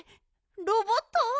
ロボット？